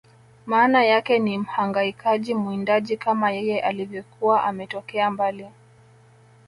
Maana yake ni Mhangaikaji Mwindaji kama yeye alivyokuwa ametokea mbali